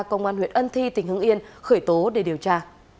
công an huyện ân thi tỉnh hưng yên khởi tố để điều tra